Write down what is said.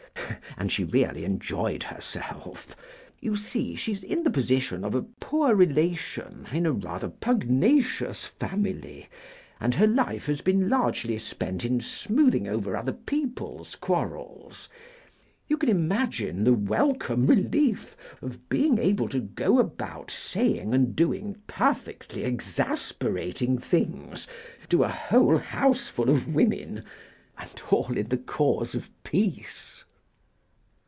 And she really enjoyed herself. You see, she's in the position of poor relation in a rather pugnacious family, and her life has been largely spent in smoothing over other people's quarrels. You can imagine the welcome relief of being able to go about saying and doing perfectly exasperating things to a whole houseful of women—and all in the cause of peace."